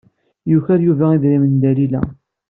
Yuker Yuba idrimen n Dalila.